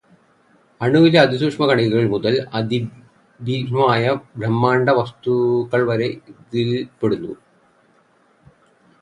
അണുവിലെ അതിസൂക്ഷ്മമായ കണികകൾ മുതൽ അതിഭീമങ്ങളായ ബ്രഹ്മാണ്ഡ വസ്തുക്കൾ വരെ ഇതിൽപെടുന്നു.